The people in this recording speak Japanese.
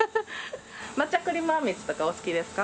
抹茶クリームあんみつとかお好きですか？